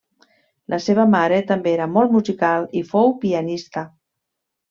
La seva mare també era molt musical i fou pianista.